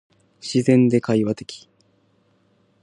自然で会話的